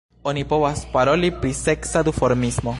Oni povas paroli pri seksa duformismo.